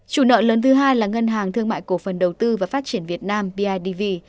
chủ nợ lớn thứ hai là ngân hàng thương mại cổ phần đầu tư và phát triển việt nam bidv